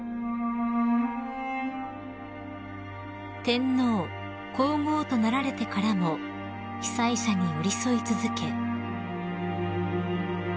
［天皇皇后となられてからも被災者に寄り添い続け］